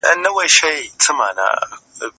د لويي جرګې پرېکړه لیک څوک لولي؟